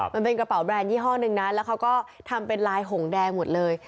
มันเป็นกระเป๋าแบรนดยี่ห้อหนึ่งนะแล้วเขาก็ทำเป็นลายหงแดงหมดเลย